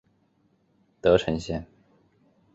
德城线